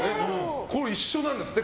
これ、各社一緒なんですって。